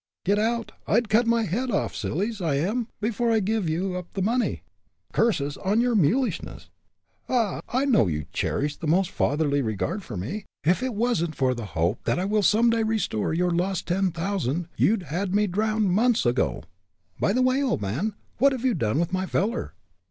Get out! I'd cut my head off, silly's I am, before I'd give you up the money." "Curses on your mulishness!" "Ha! ha! I know you cherish the most fatherly regard for me. If it wasn't for the hope that I will some day restore you your lost ten thousand you'd had me drowned months ago. By the way, old man, what have you done with my feller?"